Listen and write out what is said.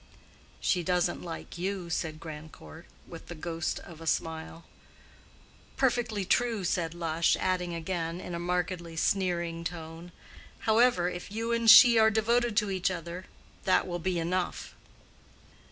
"She doesn't like you," said Grandcourt, with the ghost of a smile. "Perfectly true," said Lush, adding again in a markedly sneering tone. "However, if you and she are devoted to each other, that will be enough."